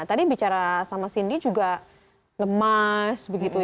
tadi bicara sama cindy juga lemas